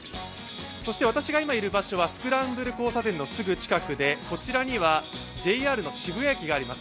そして私が今いる場所はスクランブル交差点のすぐ近くでこちらにはＪＲの渋谷駅があります。